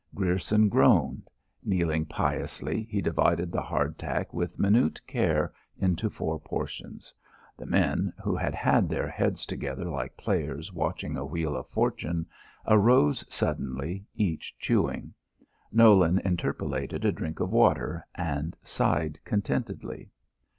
Grierson groaned. Kneeling piously, he divided the hard tack with minute care into four portions. The men, who had had their heads together like players watching a wheel of fortune, arose suddenly, each chewing. Nolan interpolated a drink of water, and sighed contentedly.